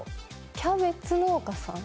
キャベツ農家さん？